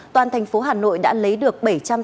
toàn thành phố hà nội đã lấy được bảy trăm tám mươi